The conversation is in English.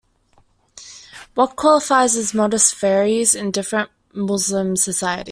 What qualifies as "modest" varies in different Muslim societies.